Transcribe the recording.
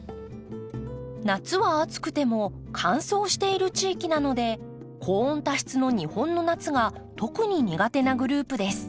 夏は暑くても乾燥している地域なので高温多湿の日本の夏が特に苦手なグループです。